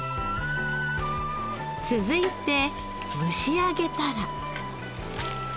続いて蒸し上げたら。